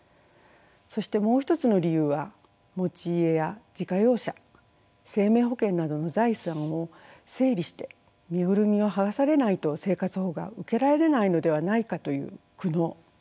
そしてもう一つの理由は持ち家や自家用車生命保険などの財産を整理して身ぐるみを剥がされないと生活保護が受けられないのではないかという苦悩。